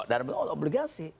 dalam bentuk obligasi